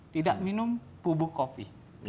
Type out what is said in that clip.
tidak minum bubuk kopi